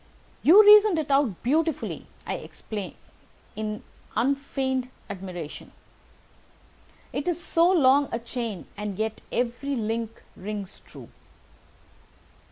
"You reasoned it out beautifully," I exclaimed in unfeigned admiration. "It is so long a chain, and yet every link rings true."